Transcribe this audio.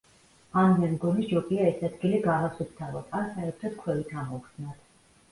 ან მე მგონი ჯობია ეს ადგილი გავასუფთავოთ, ან საერთოდ ქვევით ამოვხსნათ.